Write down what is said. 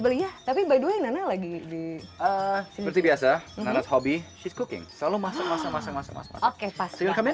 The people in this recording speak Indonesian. bali tapi by the way lagi di seperti biasa hobi cooking selalu masak masak masak masak masak